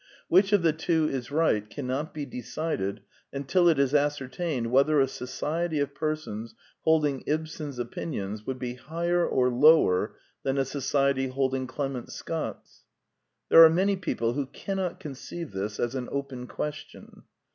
Which of the two is right cannot be decided until it is ascer tained whether a society of persons holding Ibsen's opinions would be higher or lower than a society holding Clement Scott's. There are many people who cannot conceive this as an open question.